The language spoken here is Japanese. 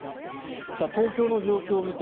東京の状況です。